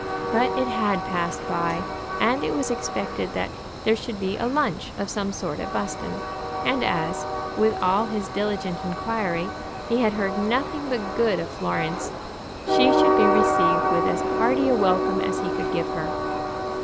But it had passed by, and it was expected that there should be a lunch of some sort at Buston; and as, with all his diligent inquiry, he had heard nothing but good of Florence, she should be received with as hearty a welcome as he could give her.